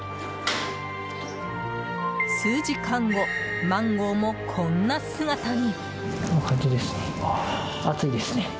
数時間後、マンゴーもこんな姿に。